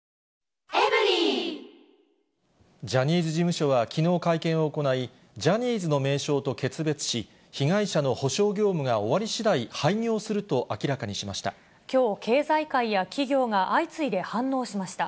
ジャニーズ事務所はきのう会見を行い、ジャニーズの名称と決別し、被害者の補償業務が終わりしだい、きょう、経済界や企業が相次いで反応しました。